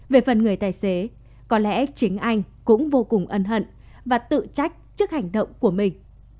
về phần người tài xế có lẽ chính anh cũng vô cùng ân hận và tự trách trước hành động của mình